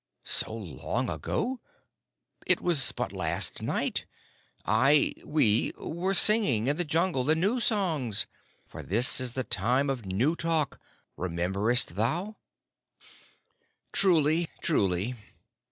"So long ago? It was but last night. I we were singing in the Jungle the new songs, for this is the Time of New Talk. Rememberest thou?" "Truly, truly."